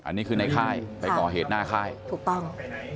อันนี้คือในค่ายไปก่อเหตุหน้าค่ายถูกต้อง